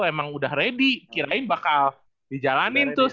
emang udah ready kirain bakal dijalanin terus